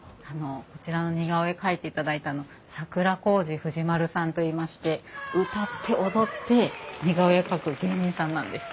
こちらの似顔絵描いていただいたの桜小路富士丸さんといいまして歌って踊って似顔絵を描く芸人さんなんです。